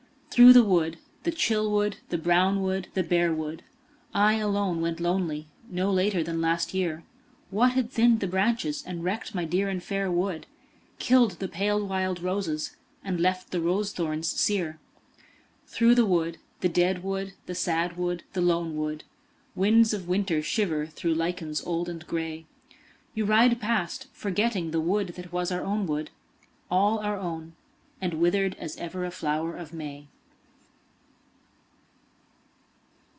Through the wood, the chill wood, the brown wood, the bare wood, I alone went lonely no later than last year, What had thinned the branches, and wrecked my dear and fair wood, Killed the pale wild roses and left the rose thorns sere ? Through the wood, the dead wood, the sad wood, the lone wood, Winds of winter shiver through lichens old and grey, You ride past forgetting the wood that was our own wood, All our own and withered as ever a flower of May.